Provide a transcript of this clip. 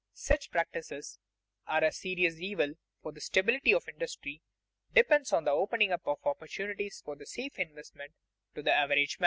Such practices are a serious evil, for the stability of industry depends on the opening up of opportunities for safe investment to the average man.